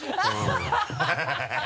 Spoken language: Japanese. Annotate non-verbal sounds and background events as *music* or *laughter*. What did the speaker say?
ハハハ *laughs*